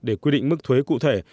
để quy định mức thuế cụ thể